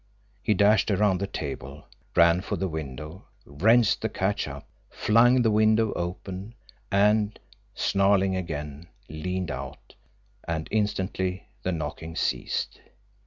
He dashed around the table, ran for the window, wrenched the catch up, flung the window open, and, snarling again, leaned out and instantly the knocking ceased.